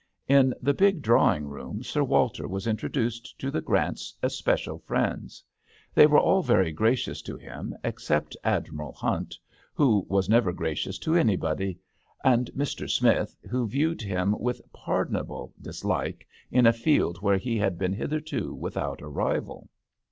In the big drawing room Sir Walter was introduced to the Grants* especial friends. They were all very gracious to him except Admiral Hunt, who was never gracious to anybody, and Mr. Smith, who viewed him with pardonable dislike in a field where he had been hitherto without a rival.